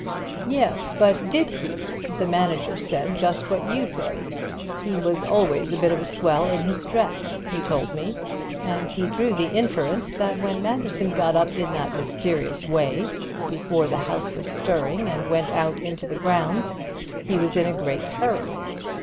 "Yes, but did he? The manager said just what you say. 'He was always a bit of a swell in his dress,' he told me, and he drew the inference that when Manderson got up in that mysterious way, before the house was stirring, and went out into the grounds, he was in a great hurry.